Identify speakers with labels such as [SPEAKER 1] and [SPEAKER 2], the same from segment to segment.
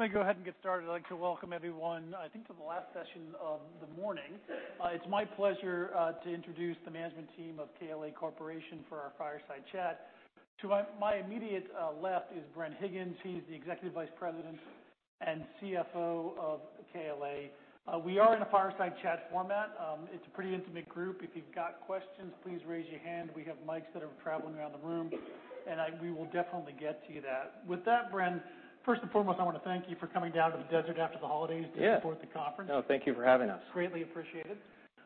[SPEAKER 1] I'm going to go ahead and get started. I'd like to welcome everyone, I think, to the last session of the morning. It's my pleasure to introduce the management team of KLA Corporation for our fireside chat. To my immediate left is Bren Higgins. He's the Executive Vice President and CFO of KLA. We are in a fireside chat format. It's a pretty intimate group. If you've got questions, please raise your hand. We have mics that are traveling around the room, and we will definitely get to you that. With that, Bren, first and foremost, I want to thank you for coming down to the desert after the holidays.
[SPEAKER 2] Yeah
[SPEAKER 1] to support the conference.
[SPEAKER 2] No, thank you for having us.
[SPEAKER 1] Greatly appreciated.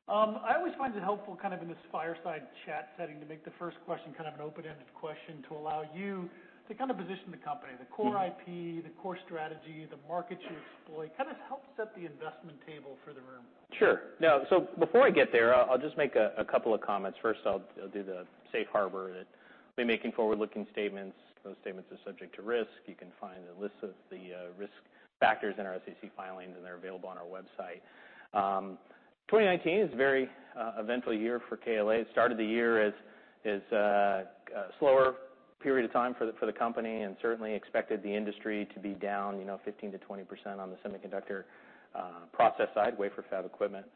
[SPEAKER 1] I always find it helpful, kind of in this fireside chat setting, to make the first question kind of an open-ended question to allow you to position the company. The core IP, the core strategy, the markets you exploit, kind of help set the investment table for the room.
[SPEAKER 2] Sure. Before I get there, I'll just make a couple of comments. First, I'll do the safe harbor that I'll be making forward-looking statements. Those statements are subject to risk. You can find a list of the risk factors in our SEC filings, and they're available on our website. 2019 is a very eventful year for KLA. It started the year as a slower period of time for the company, and certainly expected the industry to be down 15%-20% on the semiconductor process side, wafer fab equipment.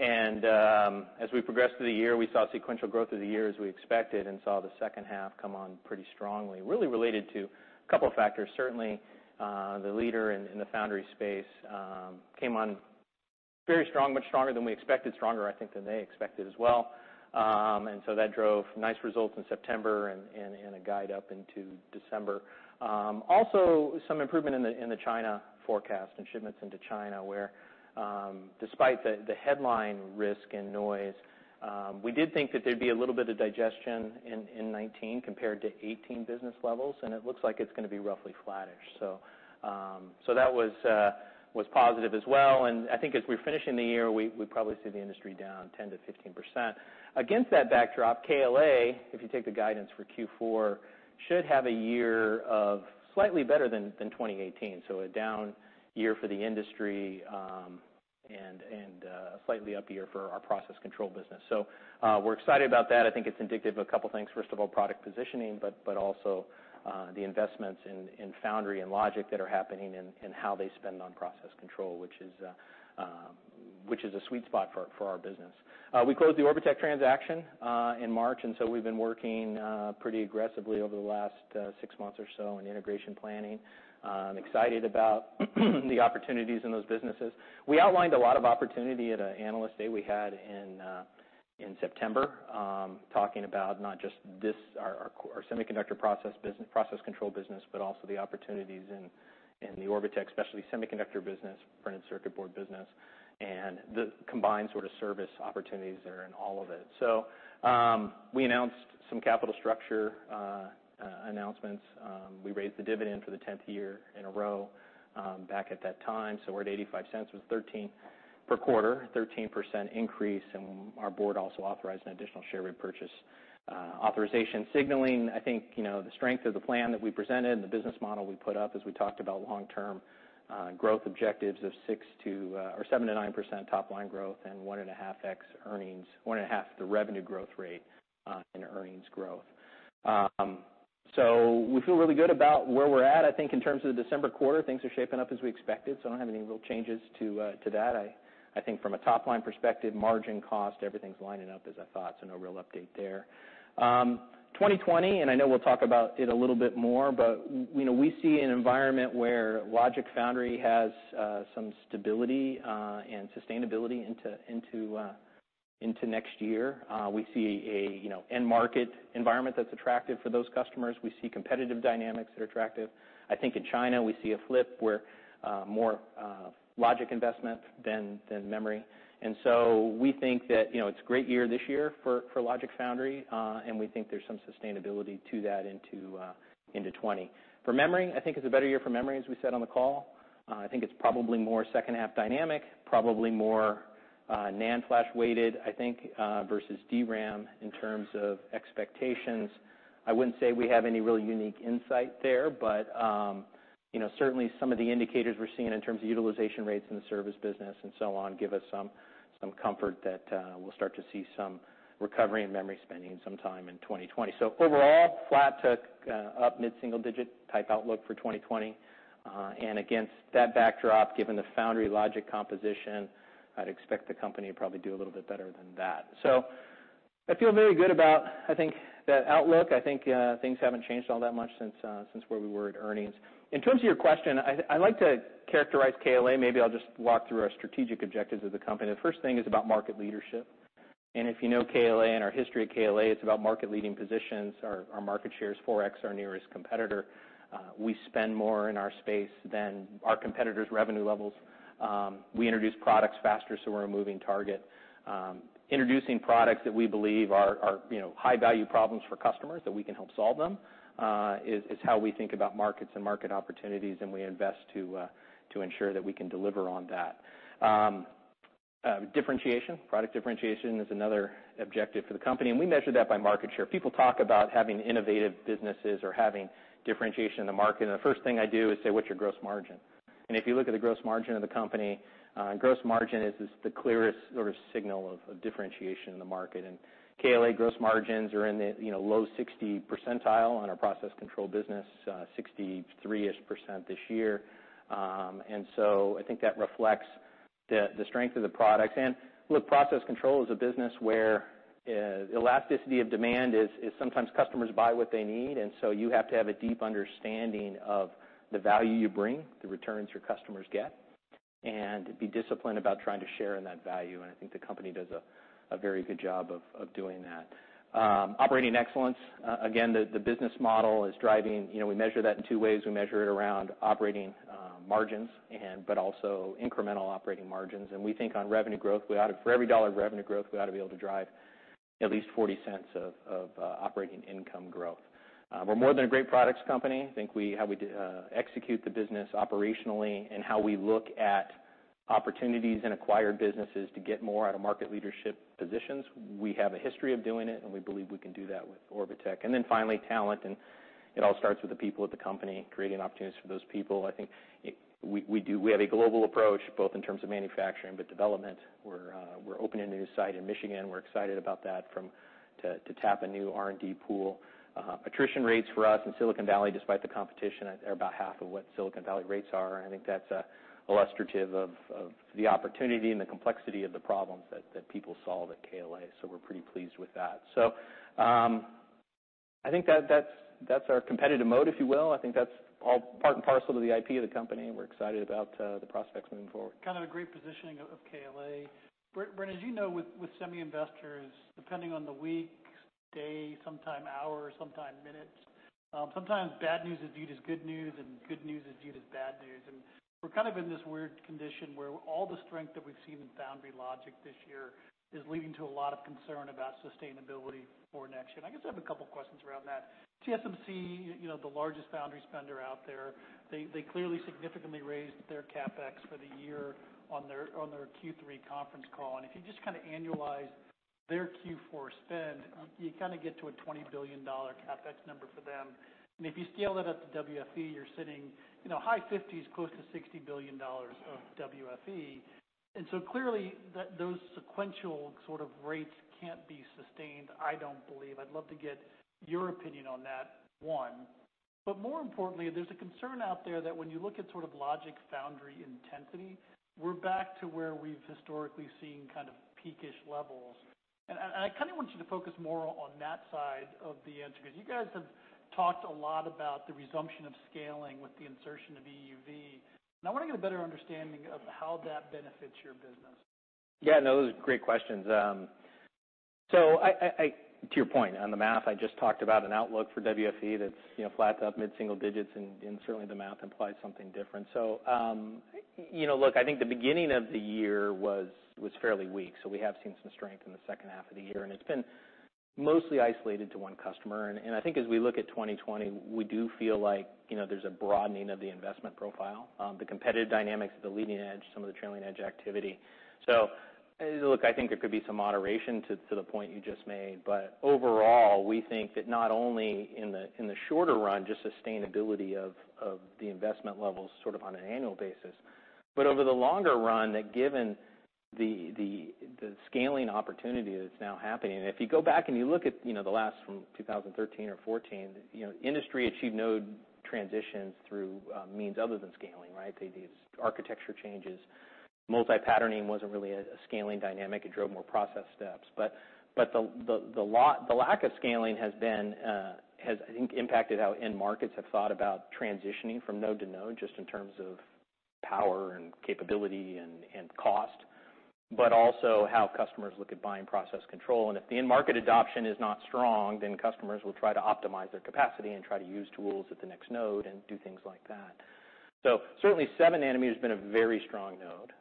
[SPEAKER 2] As we progressed through the year, we saw sequential growth through the year as we expected, and saw the second half come on pretty strongly, really related to a couple of factors. Certainly, the leader in the foundry space came on very strong, much stronger than we expected, stronger, I think, than they expected as well. That drove nice results in September and a guide up into December. Also, some improvement in the China forecast and shipments into China, where despite the headline risk and noise, we did think that there'd be a little bit of digestion in 2019 compared to 2018 business levels, and it looks like it's going to be roughly flattish. That was positive as well, and I think as we're finishing the year, we probably see the industry down 10%-15%. Against that backdrop, KLA, if you take the guidance for Q4, should have a year of slightly better than 2018. A down year for the industry, and a slightly up year for our process control business. We're excited about that. I think it's indicative of a couple things. First of all, product positioning, but also the investments in foundry and logic that are happening and how they spend on process control, which is a sweet spot for our business. We closed the Orbotech transaction in March, and so we've been working pretty aggressively over the last six months or so in integration planning. I'm excited about the opportunities in those businesses. We outlined a lot of opportunity at an analyst day we had in September, talking about not just our semiconductor process control business, but also the opportunities in the Orbotech specialty semiconductor business, printed circuit board business, and the combined sort of service opportunities that are in all of it. So we announced some capital structure announcements. We raised the dividend for the 10th year in a row back at that time, so we're at $0.85. It was 13 per quarter, 13% increase, and our board also authorized an additional share repurchase authorization, signaling, I think, the strength of the plan that we presented and the business model we put up as we talked about long-term growth objectives of 7%-9% top line growth and 1.5x earnings, 1.5 the revenue growth rate in earnings growth. We feel really good about where we're at. I think in terms of the December quarter, things are shaping up as we expected, so I don't have any real changes to that. I think from a top-line perspective, margin cost, everything's lining up as I thought, so no real update there. 2020, and I know we'll talk about it a little bit more, but we see an environment where logic foundry has some stability and sustainability into next year. We see an end market environment that's attractive for those customers. We see competitive dynamics that are attractive. I think in China, we see a flip where more logic investment than memory. We think that it's a great year this year for logic foundry, and we think there's some sustainability to that into 2020. For memory, I think it's a better year for memory, as we said on the call. I think it's probably more second-half dynamic, probably more NAND flash-weighted, I think, versus DRAM in terms of expectations. I wouldn't say we have any really unique insight there, but certainly some of the indicators we're seeing in terms of utilization rates in the service business and so on give us some comfort that we'll start to see some recovery in memory spending sometime in 2020. Overall, flat to up mid-single digit type outlook for 2020. Against that backdrop, given the foundry logic composition, I'd expect the company to probably do a little bit better than that. I feel very good about, I think, the outlook. I think things haven't changed all that much since where we were at earnings. In terms of your question, I like to characterize KLA, maybe I'll just walk through our strategic objectives as a company. The first thing is about market leadership, and if you know KLA and our history at KLA, it's about market leading positions. Our market share is 4x our nearest competitor. We spend more in our space than our competitors' revenue levels. We introduce products faster, so we're a moving target. Introducing products that we believe are high-value problems for customers, that we can help solve them, is how we think about markets and market opportunities, and we invest to ensure that we can deliver on that. Differentiation, product differentiation is another objective for the company, and we measure that by market share. People talk about having innovative businesses or having differentiation in the market, the first thing I do is say, "What's your gross margin?" If you look at the gross margin of the company, gross margin is the clearest sort of signal of differentiation in the market. KLA gross margins are in the low 60% on our process control business, 63% this year. I think that reflects the strength of the products. Look, process control is a business where elasticity of demand is sometimes customers buy what they need, and so you have to have a deep understanding of the value you bring, the returns your customers get, and be disciplined about trying to share in that value. I think the company does a very good job of doing that. Operating excellence, again, the business model is driving. We measure that in two ways. We measure it around operating margins, but also incremental operating margins. We think on revenue growth, for every dollar of revenue growth, we ought to be able to drive at least $0.40 of operating income growth. We're more than a great products company. I think how we execute the business operationally and how we look at opportunities in acquired businesses to get more out-of-market leadership positions, we have a history of doing it, and we believe we can do that with Orbotech. Finally, talent, and it all starts with the people at the company, creating opportunities for those people. I think we have a global approach, both in terms of manufacturing, but development. We're opening a new site in Michigan. We're excited about that, to tap a new R&D pool. Attrition rates for us in Silicon Valley, despite the competition, are about half of what Silicon Valley rates are, and I think that's illustrative of the opportunity and the complexity of the problems that people solve at KLA, we're pretty pleased with that. I think that's our competitive mode, if you will. I think that's all part and parcel to the IP of the company, and we're excited about the prospects moving forward.
[SPEAKER 1] Kind of a great positioning of KLA. Bren, as you know, with semi investors, depending on the week, day, sometime hour, sometime minute, sometimes bad news is viewed as good news and good news is viewed as bad news. We're kind of in this weird condition where all the strength that we've seen in foundry logic this year is leading to a lot of concern about sustainability for next year. I guess I have a couple questions around that. TSMC, the largest foundry spender out there, they clearly significantly raised their CapEx for the year on their Q3 conference call. If you just kind of annualize their Q4 spend, you kind of get to a $20 billion CapEx number for them. If you scale that up to WFE, you're sitting high 50s, close to $60 billion of WFE. Clearly, those sequential sort of rates can't be sustained, I don't believe. I'd love to get your opinion on that, one. More importantly, there's a concern out there that when you look at logic foundry intensity, we're back to where we've historically seen kind of peak-ish levels. I kind of want you to focus more on that side of the answer, because you guys have talked a lot about the resumption of scaling with the insertion of EUV, I want to get a better understanding of how that benefits your business.
[SPEAKER 2] Yeah, no, those are great questions. To your point on the math, I just talked about an outlook for WFE that's flat to up mid-single digits, and certainly, the math implies something different. Look, I think the beginning of the year was fairly weak, so we have seen some strength in the second half of the year, and it's been mostly isolated to one customer. I think as we look at 2020, we do feel like there's a broadening of the investment profile, the competitive dynamics of the leading edge, some of the trailing edge activity. Look, I think there could be some moderation to the point you just made. Overall, we think that not only in the shorter run, just sustainability of the investment levels sort of on an annual basis, but over the longer run, that given the scaling opportunity that's now happening. If you go back and you look at the last, from 2013 or 2014, industry achieved node transitions through means other than scaling, right? These architecture changes. multi-patterning wasn't really a scaling dynamic. It drove more process steps. The lack of scaling has, I think, impacted how end markets have thought about transitioning from node to node, just in terms of power and capability and cost, but also how customers look at buying process control. If the end market adoption is not strong, then customers will try to optimize their capacity and try to use tools at the next node and do things like that. Certainly, 7-nanometer has been a very strong node.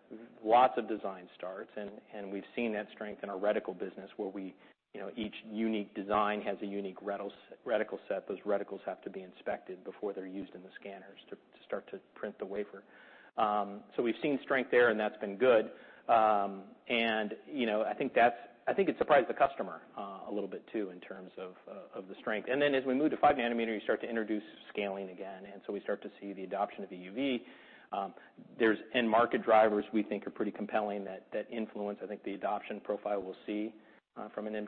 [SPEAKER 2] Lots of design starts, and we've seen that strength in our reticle business, where each unique design has a unique reticle set. Those reticles have to be inspected before they're used in the scanners to start to print the wafer. We've seen strength there, and that's been good. I think it surprised the customer a little bit too, in terms of the strength. As we move to five-nanometer, you start to introduce scaling again. We start to see the adoption of EUV. End market drivers, we think, are pretty compelling that influence, I think, the adoption profile we'll see from an end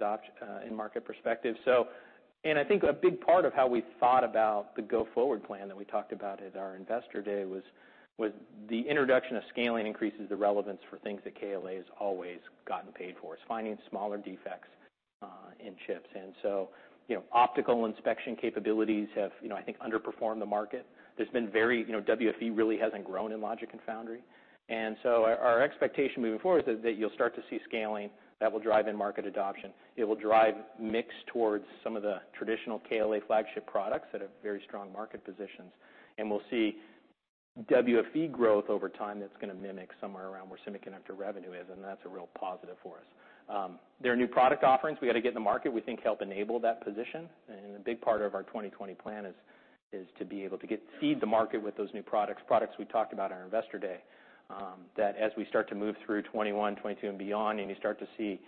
[SPEAKER 2] market perspective. I think a big part of how we thought about the go-forward plan that we talked about at our investor day was the introduction of scaling increases the relevance for things that KLA has always gotten paid for, is finding smaller defects in chips. Optical inspection capabilities have, I think, underperformed the market. WFE really hasn't grown in logic and foundry. Our expectation moving forward is that you'll start to see scaling that will drive end market adoption. It will drive mix towards some of the traditional KLA flagship products that have very strong market positions. We'll see WFE growth over time that's going to mimic somewhere around where semiconductor revenue is, and that's a real positive for us. There are new product offerings we got to get in the market we think help enable that position. A big part of our 2020 plan is to be able to feed the market with those new products we talked about at our investor day. As we start to move through 2021, 2022, and beyond, and you start to see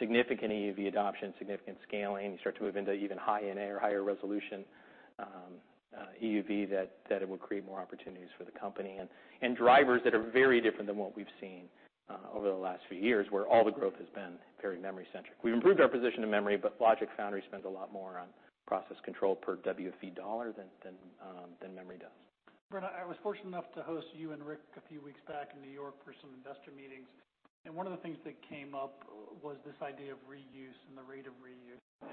[SPEAKER 2] significant EUV adoption, significant scaling, you start to move into even High NA or higher resolution EUV, that it will create more opportunities for the company, and drivers that are very different than what we've seen over the last few years, where all the growth has been very memory-centric. We've improved our position in memory, but logic foundry spends a lot more on process control per WFE dollar than memory does.
[SPEAKER 1] Bren, I was fortunate enough to host you and Rick a few weeks back in New York for some investor meetings. One of the things that came up was this idea of reuse and the rate of reuse. I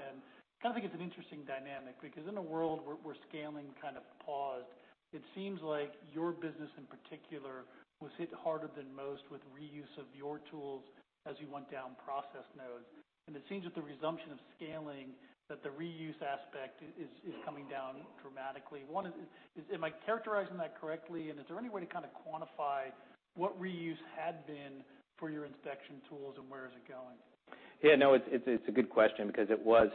[SPEAKER 1] think it's an interesting dynamic because in a world where scaling kind of paused, it seems like your business in particular was hit harder than most with reuse of your tools as you went down process nodes. It seems with the resumption of scaling, that the reuse aspect is coming down dramatically. Am I characterizing that correctly? Is there any way to kind of quantify what reuse had been for your inspection tools and where is it going?
[SPEAKER 2] Yeah. No, it's a good question because it was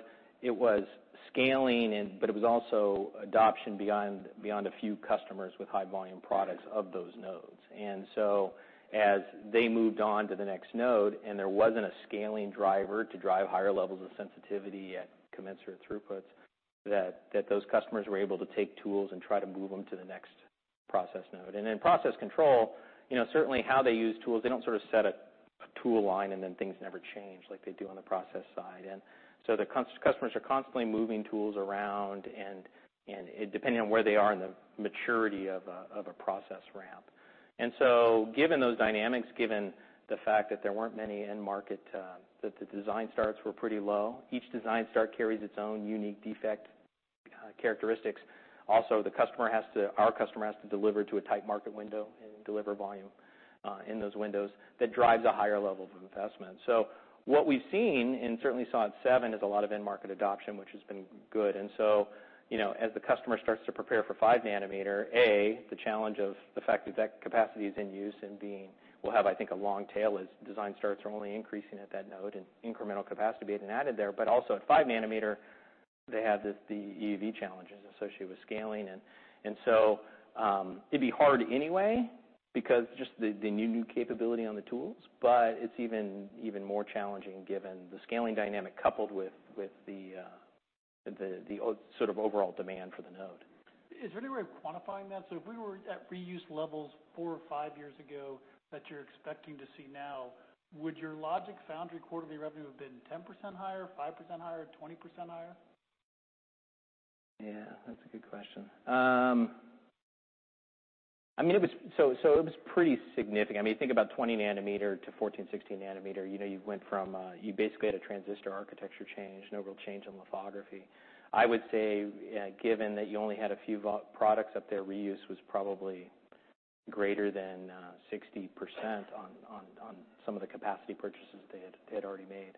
[SPEAKER 2] scaling, but it was also adoption beyond a few customers with high volume products of those nodes. As they moved on to the next node, and there wasn't a scaling driver to drive higher levels of sensitivity at commensurate throughputs, that those customers were able to take tools and try to move them to the next process node. In process control, certainly how they use tools, they don't sort of set a tool line and then things never change like they do on the process side. The customers are constantly moving tools around, and depending on where they are in the maturity of a process ramp. Given those dynamics, given the fact that there weren't many end market, that the design starts were pretty low, each design start carries its own unique defect characteristics. Our customer has to deliver to a tight market window and deliver volume in those windows. That drives a higher level of investment. What we've seen, and certainly saw at 7, is a lot of end market adoption, which has been good. As the customer starts to prepare for 5 nanometer, A, the challenge of the fact that that capacity is in use and will have, I think, a long tail as design starts are only increasing at that node and incremental capacity being added there, but also at 5 nanometer, they have the EUV challenges associated with scaling. It'd be hard anyway because just the new capability on the tools, but it's even more challenging given the scaling dynamic coupled with the sort of overall demand for the node.
[SPEAKER 1] Is there any way of quantifying that? If we were at reuse levels 4 or 5 years ago that you're expecting to see now, would your logic foundry quarterly revenue have been 10% higher, 5% higher, 20% higher?
[SPEAKER 2] That's a good question. It was pretty significant. Think about 20 nanometer to 14, 16 nanometer. You basically had a transistor architecture change, no real change in lithography. I would say, given that you only had a few products up there, reuse was probably greater than 60% on some of the capacity purchases they had already made.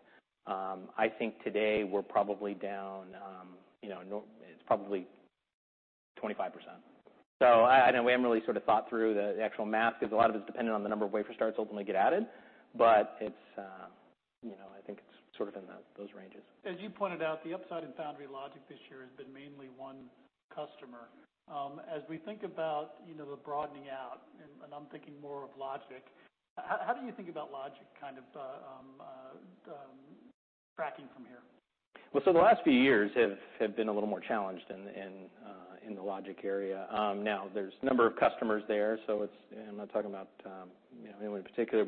[SPEAKER 2] I think today, we're probably down 25%. I know we haven't really sort of thought through the actual math because a lot of it's dependent on the number of wafer starts that ultimately get added. I think it's sort of in those ranges.
[SPEAKER 1] As you pointed out, the upside in foundry logic this year has been mainly one customer. As we think about the broadening out, and I'm thinking more of logic, how do you think about logic kind of tracking from here?
[SPEAKER 2] Well, the last few years have been a little more challenged in the logic area. There's a number of customers there. I'm not talking about anyone in particular,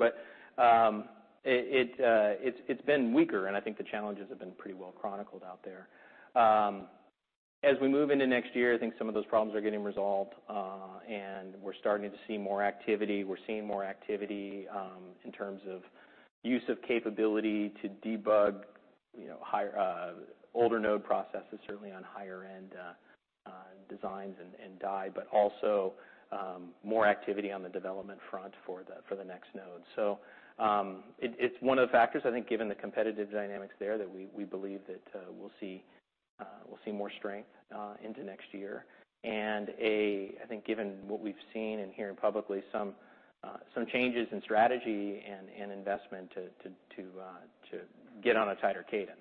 [SPEAKER 2] it's been weaker, I think the challenges have been pretty well chronicled out there. As we move into next year, I think some of those problems are getting resolved, we're starting to see more activity. We're seeing more activity in terms of use of capability to debug older node processes, certainly on higher-end designs and die, also more activity on the development front for the next node. It's one of the factors, I think, given the competitive dynamics there, that we believe that we'll see more strength into next year. I think given what we've seen and hearing publicly, some changes in strategy and investment to get on a tighter cadence.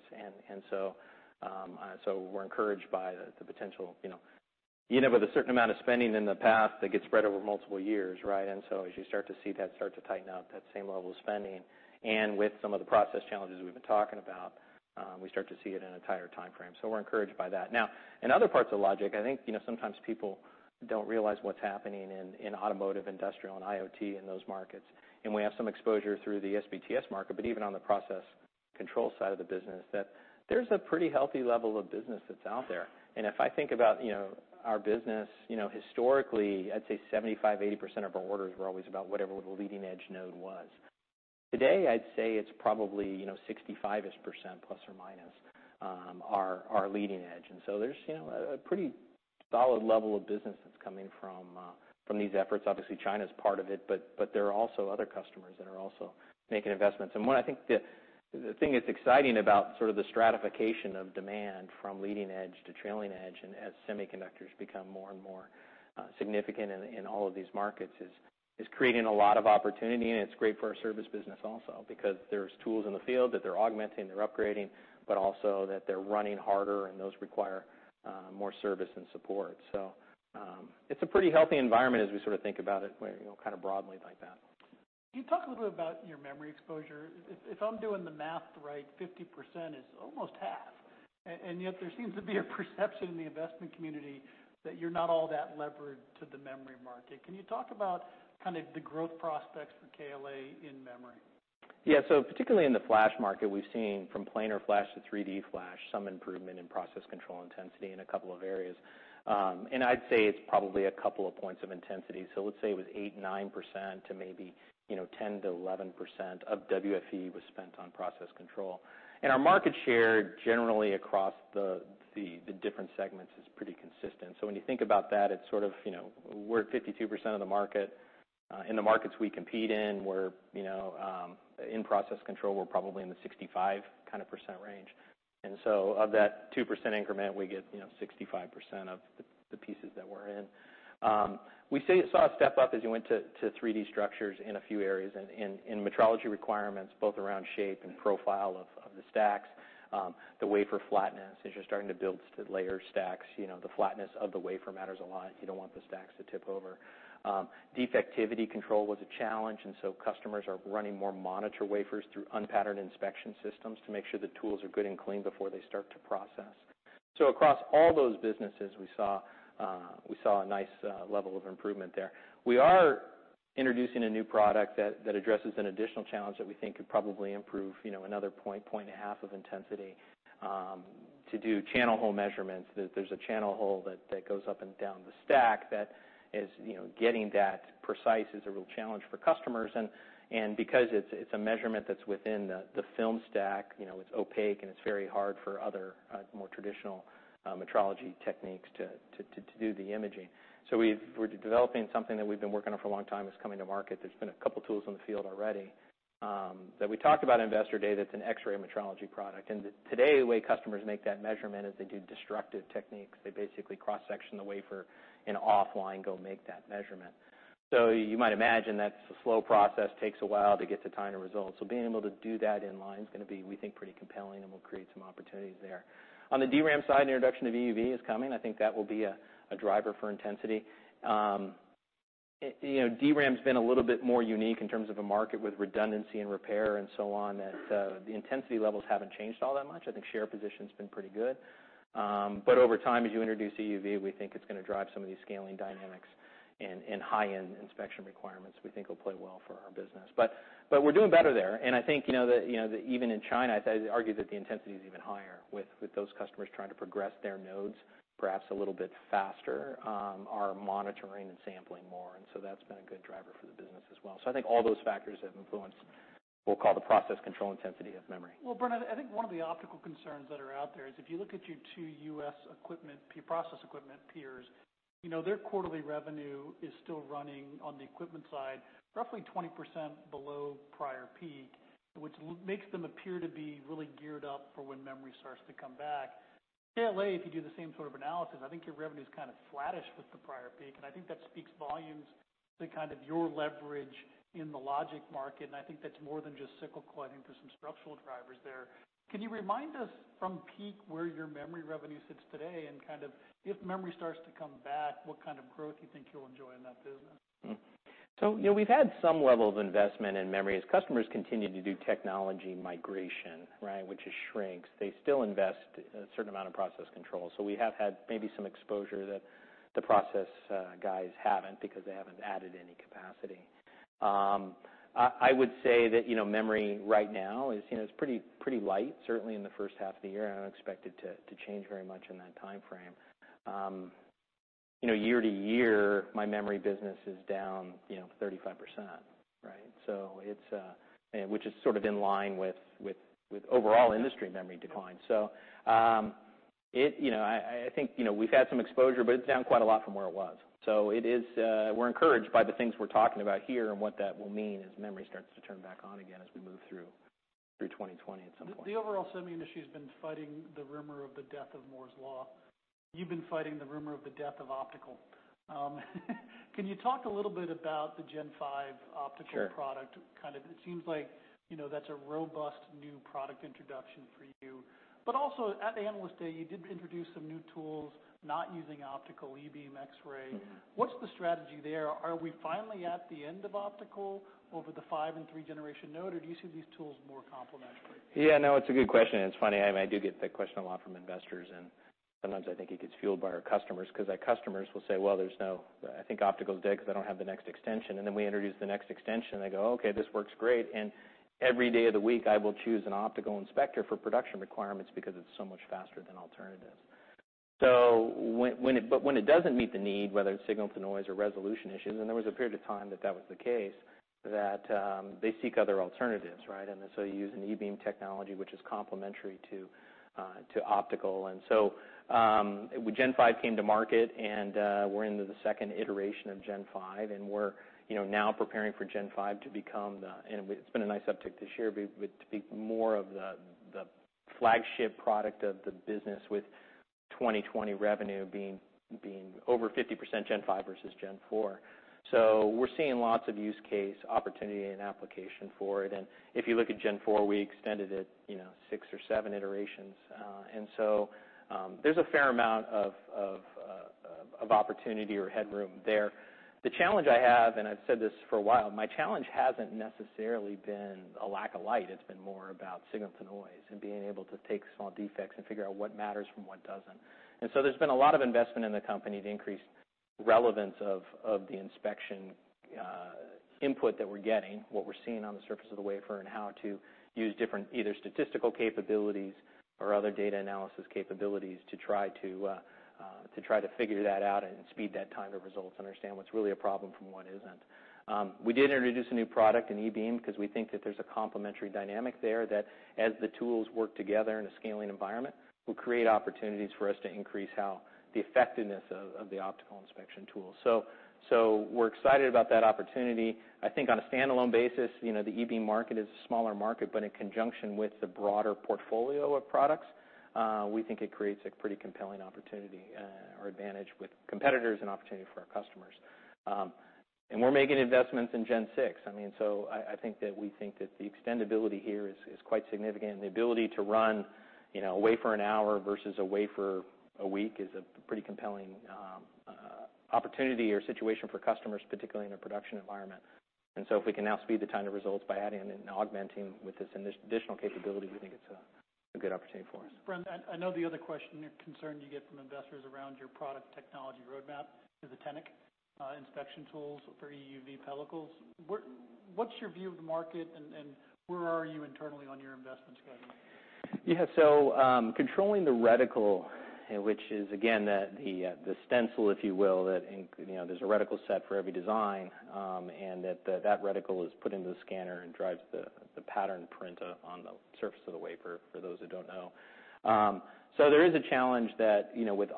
[SPEAKER 2] We're encouraged by the potential. With a certain amount of spending in the past, that gets spread over multiple years, right. As you start to see that start to tighten up, that same level of spending, and with some of the process challenges we've been talking about, we start to see it in a tighter timeframe. We're encouraged by that. In other parts of logic, I think sometimes people don't realize what's happening in automotive, industrial, and IoT, and those markets. We have some exposure through the SPTS market, but even on the process control side of the business, that there's a pretty healthy level of business that's out there. If I think about our business historically, I'd say 75%, 80% of our orders were always about whatever the leading-edge node was. Today, I'd say it's probably 65%-ish, plus or minus, our leading edge. There's a pretty solid level of business that's coming from these efforts. Obviously, China's part of it, but there are also other customers that are also making investments. What I think the thing that's exciting about sort of the stratification of demand from leading edge to trailing edge, and as semiconductors become more and more significant in all of these markets, is creating a lot of opportunity, and it's great for our service business also because there's tools in the field that they're augmenting, they're upgrading, but also that they're running harder, and those require more service and support. It's a pretty healthy environment as we sort of think about it kind of broadly like that.
[SPEAKER 1] Can you talk a little bit about your memory exposure? If I'm doing the math right, 50% is almost half. Yet there seems to be a perception in the investment community that you're not all that levered to the memory market. Can you talk about the growth prospects for KLA in memory?
[SPEAKER 2] Particularly in the flash market, we've seen from planar flash to 3D flash, some improvement in process control intensity in a couple of areas. I'd say it's probably a couple of points of intensity. Let's say it was 8%-9% to maybe 10%-11% of WFE was spent on process control. Our market share generally across the different segments is pretty consistent. When you think about that, we're at 52% of the market. In the markets we compete in process control, we're probably in the 65% range. Of that 2% increment, we get 65% of the pieces that we're in. We saw a step up as you went to 3D structures in a few areas, in metrology requirements, both around shape and profile of the stacks, the wafer flatness. As you're starting to build layer stacks, the flatness of the wafer matters a lot. You don't want the stacks to tip over. Defectivity control was a challenge, and so customers are running more monitor wafers through unpatterned inspection systems to make sure the tools are good and clean before they start to process. Across all those businesses, we saw a nice level of improvement there. We are introducing a new product that addresses an additional challenge that we think could probably improve another point and a half of intensity to do channel hole measurements. There's a channel hole that goes up and down the stack. Getting that precise is a real challenge for customers. Because it's a measurement that's within the film stack, it's opaque and it's very hard for other more traditional metrology techniques to do the imaging. We're developing something that we've been working on for a long time that's coming to market. There's been a couple tools in the field already that we talked about in Investor Day, that's an X-ray metrology product. Today, the way customers make that measurement is they do destructive techniques. They basically cross-section the wafer and offline go make that measurement. You might imagine that's a slow process, takes a while to get the kind of results. Being able to do that in-line is going to be, we think, pretty compelling and will create some opportunities there. On the DRAM side, an introduction of EUV is coming. I think that will be a driver for intensity. DRAM's been a little bit more unique in terms of a market with redundancy and repair and so on, that the intensity levels haven't changed all that much. I think share position's been pretty good. Over time, as you introduce EUV, we think it's going to drive some of these scaling dynamics and high-end inspection requirements we think will play well for our business. We're doing better there, and I think that even in China, I'd argue that the intensity is even higher with those customers trying to progress their nodes perhaps a little bit faster, are monitoring and sampling more, that's been a good driver for the business as well. I think all those factors have influenced what we'll call the process control intensity of memory.
[SPEAKER 1] Bren, I think one of the optical concerns that are out there is if you look at your two U.S. equipment, process equipment peers, their quarterly revenue is still running on the equipment side, roughly 20% below prior peak, which makes them appear to be really geared up for when memory starts to come back. KLA, if you do the same sort of analysis, I think your revenue's kind of flattish with the prior peak, and I think that speaks volumes to kind of your leverage in the logic market, and I think that's more than just cyclical. I think there's some structural drivers there. Can you remind us from peak where your memory revenue sits today, and if memory starts to come back, what kind of growth you think you'll enjoy in that business?
[SPEAKER 2] We've had some level of investment in memory. As customers continue to do technology migration, which is shrinks, they still invest a certain amount of process control. We have had maybe some exposure that the process guys haven't, because they haven't added any capacity. I would say that memory right now is pretty light, certainly in the first half of the year. I don't expect it to change very much in that timeframe. Year to year, my memory business is down 35%, which is sort of in line with overall industry memory decline. I think we've had some exposure, but it's down quite a lot from where it was. We're encouraged by the things we're talking about here and what that will mean as memory starts to turn back on again as we move through 2020 at some point.
[SPEAKER 1] The overall semi industry's been fighting the rumor of the death of Moore's Law. You've been fighting the rumor of the death of optical. Can you talk a little bit about the Gen 5 optical product?
[SPEAKER 2] Sure.
[SPEAKER 1] It seems like that's a robust new product introduction for you. Also, at the Analyst Day, you did introduce some new tools not using optical, E-beam, X-ray. What's the strategy there? Are we finally at the end of optical over the five and three-generation node, or do you see these tools more complementary?
[SPEAKER 2] Yeah, no, it's a good question, and it's funny. I do get that question a lot from investors, and sometimes I think it gets fueled by our customers because our customers will say, "Well, I think optical's dead because I don't have the next extension." We introduce the next extension, and they go, "Okay, this works great." Every day of the week, I will choose an optical inspector for production requirements because it's so much faster than alternatives. When it doesn't meet the need, whether it's signal-to-noise or resolution issues, and there was a period of time that that was the case, that they seek other alternatives. You use an E-beam technology, which is complementary to optical. Gen 5 came to market, and we're into the second iteration of Gen 5, and we're now preparing for Gen 5. It's been a nice uptick this year, but to be more of the flagship product of the business with 2020 revenue being over 50% Gen 5 versus Gen 4. We're seeing lots of use case opportunity and application for it, and if you look at Gen 4, we extended it six or seven iterations. There's a fair amount of opportunity or headroom there. The challenge I have, and I've said this for a while, my challenge hasn't necessarily been a lack of light. It's been more about signal to noise and being able to take small defects and figure out what matters from what doesn't. There's been a lot of investment in the company to increase relevance of the inspection input that we're getting, what we're seeing on the surface of the wafer, and how to use different either statistical capabilities or other data analysis capabilities to try to figure that out and speed that time to results, understand what's really a problem from what isn't. We did introduce a new product, an E-beam, because we think that there's a complementary dynamic there that as the tools work together in a scaling environment, will create opportunities for us to increase the effectiveness of the optical inspection tool. We're excited about that opportunity. I think on a standalone basis, the E-beam market is a smaller market, but in conjunction with the broader portfolio of products, we think it creates a pretty compelling opportunity or advantage with competitors and opportunity for our customers. We're making investments in Gen 6. I think that we think that the extendibility here is quite significant, and the ability to run a wafer an hour versus a wafer a week is a pretty compelling opportunity or situation for customers, particularly in a production environment. If we can now speed the time to results by adding and augmenting with this additional capability, we think it's a good opportunity for us.
[SPEAKER 1] Bren, I know the other question or concern you get from investors around your product technology roadmap is actinic inspection tools for EUV pellicles. What's your view of the market, and where are you internally on your investment strategy?
[SPEAKER 2] Yeah. Controlling the reticle, which is, again, the stencil, if you will, there's a reticle set for every design, and that reticle is put into the scanner and drives the pattern print on the surface of the wafer, for those that don't know. There is a challenge that with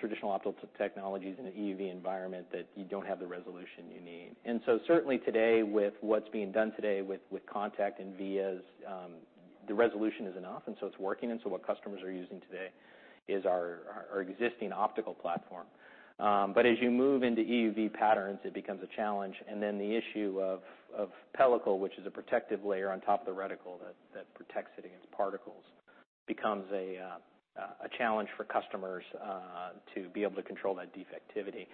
[SPEAKER 2] traditional optical technologies in an EUV environment, that you don't have the resolution you need. Certainly today with what's being done today with contact and vias, the resolution is enough. It's working, and so what customers are using today is our existing optical platform. As you move into EUV patterns, it becomes a challenge. Then the issue of pellicle, which is a protective layer on top of the reticle that protects it against particles, becomes a challenge for customers to be able to control that defectivity.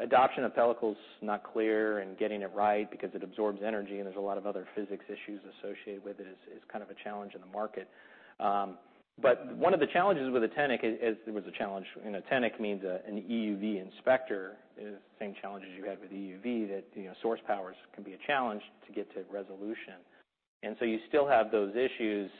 [SPEAKER 2] Adoption of pellicles not clear and getting it right because it absorbs energy and there's a lot of other physics issues associated with it is kind of a challenge in the market. One of the challenges with actinic is there was a challenge, actinic means an EUV inspector, is the same challenge as you had with EUV that source powers can be a challenge to get to resolution. You still have those issues.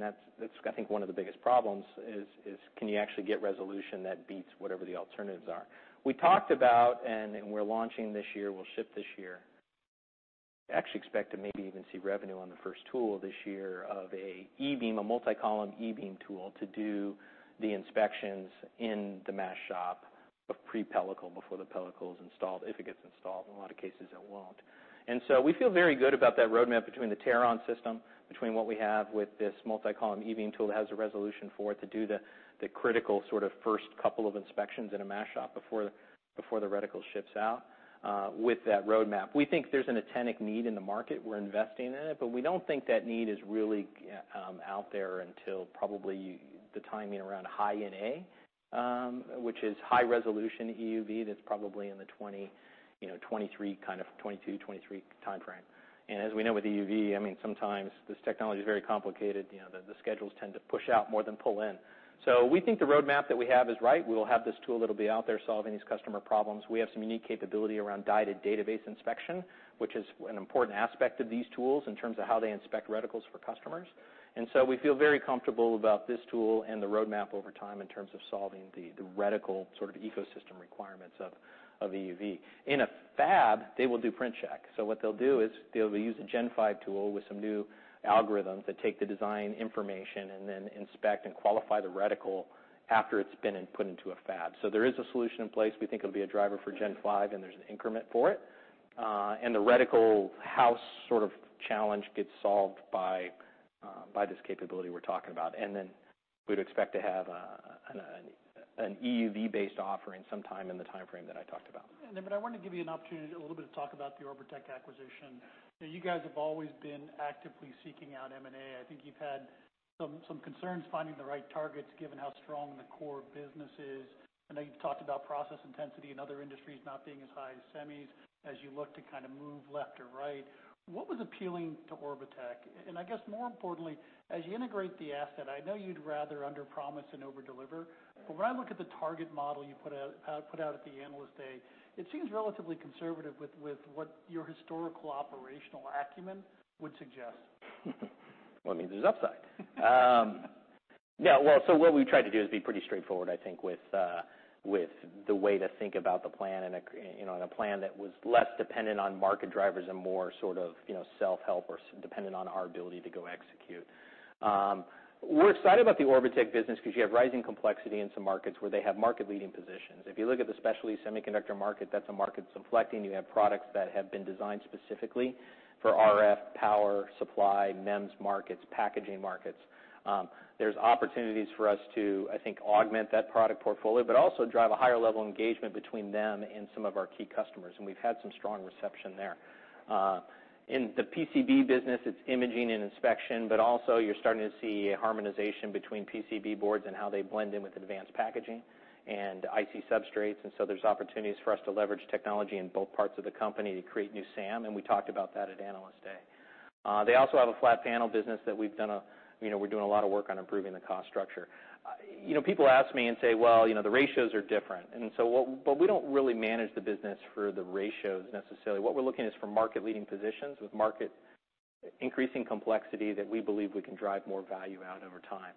[SPEAKER 2] That's, I think, one of the biggest problems is can you actually get resolution that beats whatever the alternatives are. We talked about and we're launching this year, we'll ship this year, actually expect to maybe even see revenue on the first tool this year of a multi-column E-beam tool to do the inspections in the mask shop of pre-pellicle, before the pellicle is installed, if it gets installed. In a lot of cases, it won't. We feel very good about that roadmap between the Teron system, between what we have with this multi-column E-beam tool that has a resolution for it to do the critical sort of first couple of inspections in a mask shop before the reticle ships out with that roadmap. We think there's an actinic need in the market. We're investing in it, but we don't think that need is really out there until probably the timing around High-NA, which is high-resolution EUV. That's probably in the 2022, 2023 timeframe. As we know with EUV, sometimes this technology is very complicated. The schedules tend to push out more than pull in. We think the roadmap that we have is right. We'll have this tool that'll be out there solving these customer problems. We have some unique capability around guided database inspection, which is an important aspect of these tools in terms of how they inspect reticles for customers. We feel very comfortable about this tool and the roadmap over time in terms of solving the reticle sort of ecosystem requirements of EUV. In a fab, they will do print check. What they'll do is they'll use a Gen 5 tool with some new algorithms that take the design information and then inspect and qualify the reticle after it's been put into a fab. There is a solution in place. We think it'll be a driver for Gen 5, and there's an increment for it. The reticle house sort of challenge gets solved by this capability we're talking about. We'd expect to have an EUV-based offering sometime in the timeframe that I talked about.
[SPEAKER 1] I wanted to give you an opportunity, a little bit of talk about the Orbotech acquisition. You guys have always been actively seeking out M&A. I think you've had some concerns finding the right targets, given how strong the core business is. I know you've talked about process intensity in other industries not being as high as semis as you look to kind of move left or right. What was appealing to Orbotech? I guess more importantly, as you integrate the asset, I know you'd rather underpromise and overdeliver, but when I look at the target model you put out at the Analyst Day, it seems relatively conservative with what your historical operational acumen would suggest.
[SPEAKER 2] Well, that means there's upside. Yeah. What we've tried to do is be pretty straightforward, I think, with the way to think about the plan and a plan that was less dependent on market drivers and more sort of self-help or dependent on our ability to go execute. We're excited about the Orbotech business because you have rising complexity in some markets where they have market-leading positions. If you look at the specialty semiconductor market, that's a market that's inflecting. You have products that have been designed specifically for RF, power supply, MEMS markets, packaging markets. There's opportunities for us to, I think, augment that product portfolio but also drive a higher level of engagement between them and some of our key customers, and we've had some strong reception there. In the PCB business, it's imaging and inspection. Also you're starting to see a harmonization between PCB boards and how they blend in with advanced packaging and IC substrates. There's opportunities for us to leverage technology in both parts of the company to create new SAM. We talked about that at Analyst Day. They also have a flat panel business that we're doing a lot of work on improving the cost structure. People ask me and say, "Well, the ratios are different." We don't really manage the business for the ratios necessarily. What we're looking is for market-leading positions with market increasing complexity that we believe we can drive more value out over time.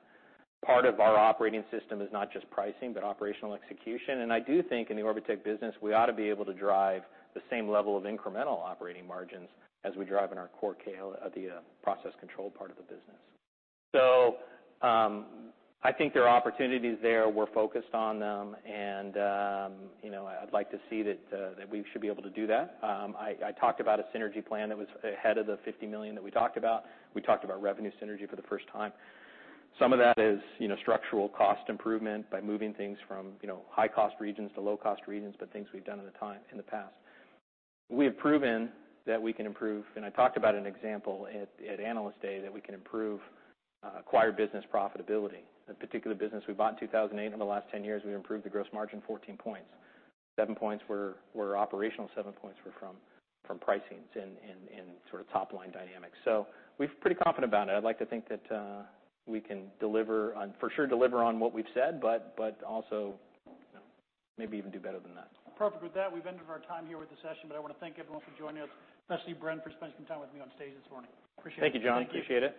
[SPEAKER 2] Part of our operating system is not just pricing, but operational execution. I do think in the Orbotech business, we ought to be able to drive the same level of incremental operating margins as we drive in our core scale of the process control part of the business. I think there are opportunities there. We're focused on them. I'd like to see that we should be able to do that. I talked about a synergy plan that was ahead of the $50 million that we talked about. We talked about revenue synergy for the first time. Some of that is structural cost improvement by moving things from high-cost regions to low-cost regions, but things we've done in the past. We have proven that we can improve. I talked about an example at Analyst Day, that we can improve acquired business profitability. A particular business we bought in 2008, over the last 10 years, we improved the gross margin 14 points. Seven points were operational, seven points were from pricings and sort of top-line dynamics. We're pretty confident about it. I'd like to think that we can for sure deliver on what we've said, but also maybe even do better than that.
[SPEAKER 1] Perfect with that, we've ended our time here with the session, but I want to thank everyone for joining us, especially Bren, for spending some time with me on stage this morning. Appreciate it.
[SPEAKER 2] Thank you, John. Appreciate it.